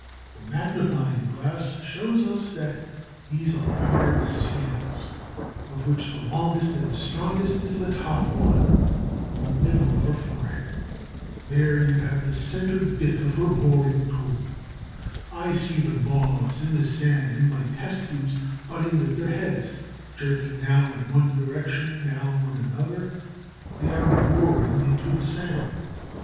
The magnifying glass shows us that these are hard scales, of which the longest and strongest is the top one, in the middle of her forehead. There you have the center bit of her boring tool. I see the Moths in the sand in my test tubes butting with their heads, jerking now in one direction, now in another. They are boring into the sand.